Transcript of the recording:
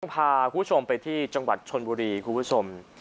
ข้าก็พาทุกคุณไปที่จังหวัดชมคุณผู้ชม